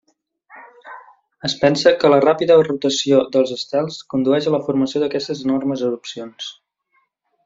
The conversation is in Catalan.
Es pensa que la ràpida rotació dels estels condueix a la formació d'aquestes enormes erupcions.